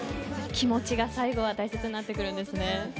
気持ちが最後は大切になってくるんですね。